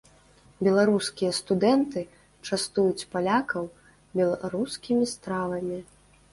Беларускія студэнты частуюць палякаў беларускімі стравамі.